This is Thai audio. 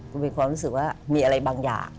ก็มีความรู้สึกว่ามีอะไรบางอย่าง